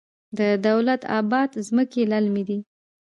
د دولت اباد ځمکې للمي دي